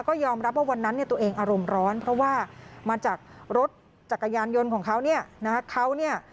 ก็ยอมรับว่าวันนั้นตัวเองอารมณ์ร้อนเพราะว่ามาจากรถจักรยานยนต์ของเขา